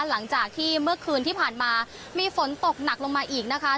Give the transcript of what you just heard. หลังจากที่เมื่อคืนที่ผ่านมามีฝนตกหนักลงมาอีกนะคะ